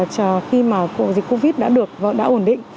chờ khi mà dịch covid đã được đã ổn định